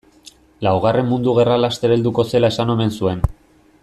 Laugarren mundu gerra laster helduko zela esan omen zuen.